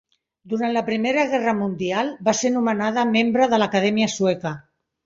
Durant la Primera Guerra mundial, va ser nomenada membre de l'Acadèmia Sueca.